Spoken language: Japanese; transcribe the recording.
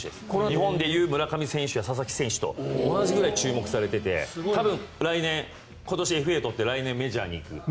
日本でいう村上選手とか佐々木選手とかと同じくらい注目されていて多分、今年ＦＡ取って来年、メジャー行く。